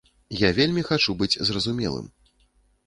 Я вельмі хачу быць зразумелым.